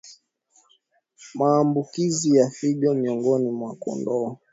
Maambukizi ya figo miongoni mwa kondoo